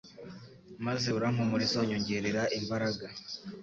maze urampumuriza unyongerera imbaraga